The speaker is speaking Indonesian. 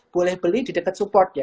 boleh beli di dekat support ya